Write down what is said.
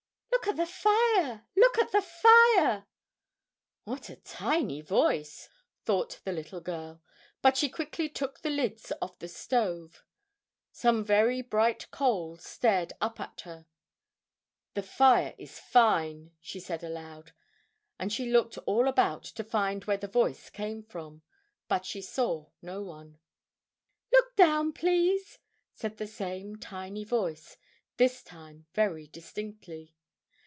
"Look at the fire! Look at the fire!" "What a tiny voice!" thought the little girl, but she quickly took the lids off the stove. Some very bright coals stared up at her. "The fire is fine," she said aloud, and she looked all about to find where the voice came from, but she saw no one. "Look down, please!" said the same tiny voice, this time very distinctly.